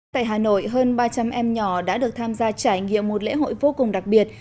tại hà nội hơn ba trăm linh em nhỏ đã được tham gia trải nghiệm một lễ hội vô cùng đặc biệt